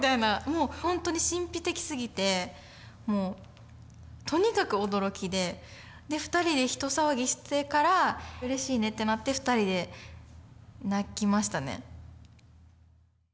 もうほんとに神秘的すぎてもうとにかく驚きでで２人で一騒ぎしてからうれしいねってなって２人で泣きましたね。